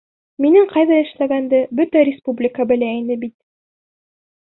Минең ҡайҙа эшләгәнде бөтә республика белә ине бит.